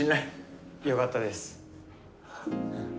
よかったです。